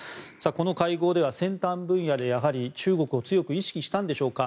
この会合では先端分野でやはり中国を強く意識したんでしょうか。